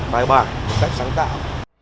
bài bảng một cách sáng tạo